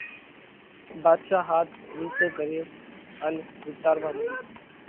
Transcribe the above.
ڀاڌشا هاٿ نِيسو ڪريو ان وِيچاروا مڏيو۔